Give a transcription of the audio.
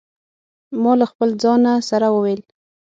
ما له خپل ځانه سره وویل.